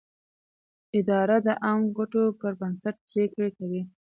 اداره د عامه ګټو پر بنسټ پرېکړې کوي.